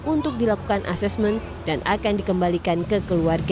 untuk dilakukan asesmen dan akan dikembalikan ke keluarga